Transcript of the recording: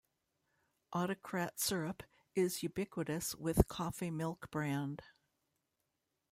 Autocrat Syrup is ubiquitous with coffee milk brand.